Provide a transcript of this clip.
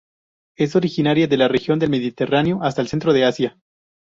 Es originaria de la región del Mediterráneo hasta el centro de Asia.